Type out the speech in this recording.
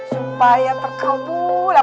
supaya terkau bulan